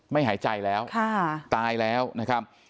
ไม่หายใจแล้วตายแล้วนะครับ